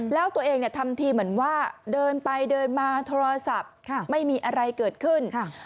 แล้วตัวเองทำทีเหมือนว่าเดินไปเดินมาโทรศัพท์ไม่มีอะไรเกิดขึ้น